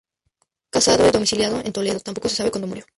Casado y domiciliado en Toledo, tampoco se sabe cuándo murió.